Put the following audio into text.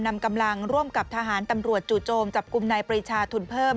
นำกำลังร่วมกับทหารตำรวจจู่โจมจับกลุ่มนายปริชาทุนเพิ่ม